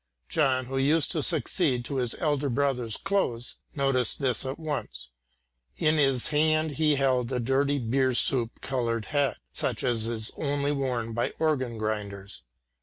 John, who used to succeed to his elder brother's clothes, noticed this at once. In his hand he held a dirty beer soup coloured hat, such as is only worn by organ grinders.